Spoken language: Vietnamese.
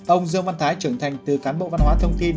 ông dương văn thái trưởng thành từ cán bộ văn hóa thông tin